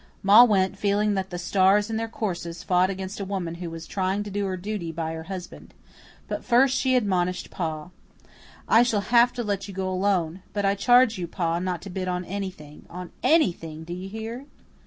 Ma went, feeling that the stars in their courses fought against a woman who was trying to do her duty by her husband. But first she admonished Pa. "I shall have to let you go alone. But I charge you, Pa, not to bid on anything on ANYTHING, do you hear?"